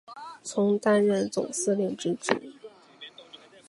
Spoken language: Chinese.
曾担任总司令之职。